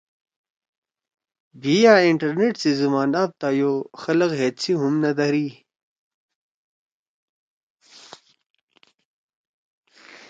بھی یأ انٹرنیٹ سی زُومان آپ تا یو خلگ ہید سی ہم نہ دھرئی۔